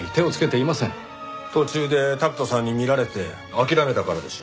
途中で拓人さんに見られて諦めたからでしょ。